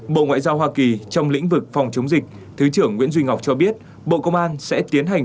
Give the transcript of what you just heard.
bộ ngoại giao hoa kỳ trong lĩnh vực phòng chống dịch thứ trưởng nguyễn duy ngọc cho biết bộ công an sẽ tiến hành